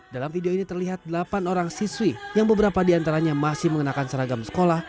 dalam video ini terlihat delapan orang siswi yang beberapa diantaranya masih mengenakan seragam sekolah